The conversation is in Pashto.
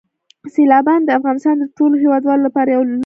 سیلابونه د افغانستان د ټولو هیوادوالو لپاره یو لوی ویاړ دی.